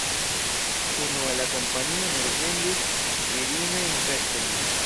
Unue la kompanio nur vendis virinajn vestojn.